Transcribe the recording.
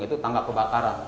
yaitu tangga kebakaran